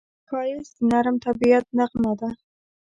ښایست د نرم طبیعت نغمه ده